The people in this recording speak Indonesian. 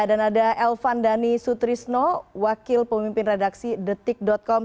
dan ada elvan dhani sutrisno wakil pemimpin redaksi thetik com